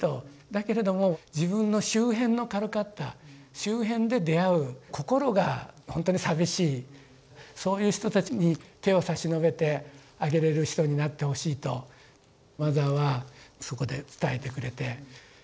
だけれども自分の周辺のカルカッタ周辺で出会う心がほんとに寂しいそういう人たちに手を差し伸べてあげれる人になってほしいとマザーはそこで伝えてくれて。